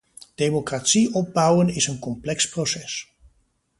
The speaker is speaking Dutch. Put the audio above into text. Democratie opbouwen is een complex proces.